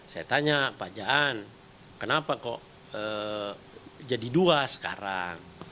saya tanya pak jaan kenapa kok jadi dua sekarang